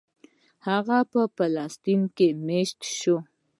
هغه په فلسطین کې مېشت شو.